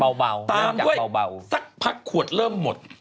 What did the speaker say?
เบาเริ่มจากเบาตามด้วยสักพักขวดเริ่มหมด